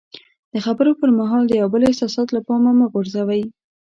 د خبرو پر مهال د یو بل احساسات له پامه مه غورځوئ.